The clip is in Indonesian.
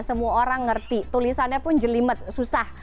semua orang ngerti tulisannya pun jelimet susah